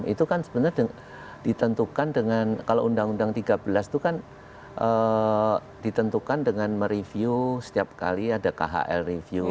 itu kan sebenarnya ditentukan dengan kalau undang undang tiga belas itu kan ditentukan dengan mereview setiap kali ada khl review